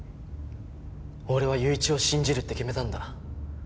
俺は友一を信じるって決めたんだ。